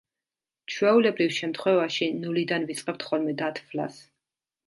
ჩვეულებრივ შემთხვევაში ნულიდან ვიწყებთ ხოლმე დათვლას.